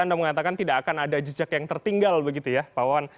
anda mengatakan tidak akan ada jejak yang tertinggal begitu ya pak wan